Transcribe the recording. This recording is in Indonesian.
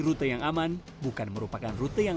rute yang aman bukan merupakan rute yang